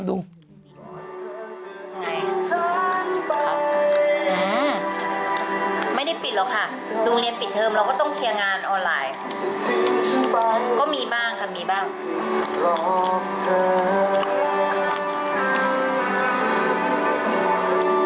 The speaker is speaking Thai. ก็มีบ้างค่ะมีบ้าง